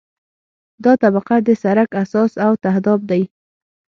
دا طبقه د سرک اساس او تهداب دی